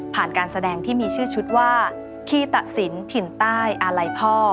การแสดงที่มีชื่อชุดว่าคีตะสินถิ่นใต้อาลัยพ่อ